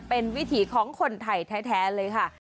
เป็นวิถีของคนไทยแท้เลยค่ะ